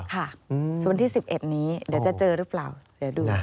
ค่ะส่วนวันที่๑๑นี้เดี๋ยวจะเจอหรือเปล่าเดี๋ยวดู